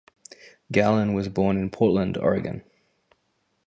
Gallen was born in Portland, Oregon.